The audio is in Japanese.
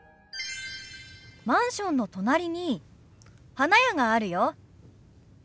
マンションの隣に花屋があるよ。